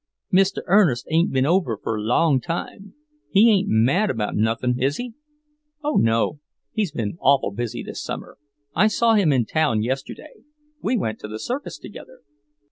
"Mr. Ernest ain't been over for a long time. He ain't mad about nothin', is he?" "Oh, no! He's awful busy this summer. I saw him in town yesterday. We went to the circus together."